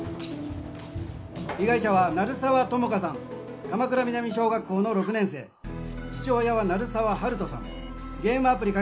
被害者は鳴沢友果さん鎌倉南小学校の６年生父親は鳴沢温人さん